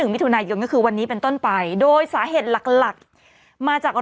ไม่เหมือนกันน้ำมดดำ